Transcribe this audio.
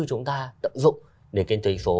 chúng ta tậm dụng để kinh tế số